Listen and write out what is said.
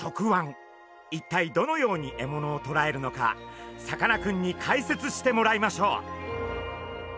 一体どのように獲物をとらえるのかサカナくんに解説してもらいましょう！